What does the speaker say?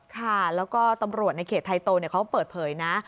ค่ะแล้วก็ตำรวจในเขตไทยโตเขาเปิดเผยนะ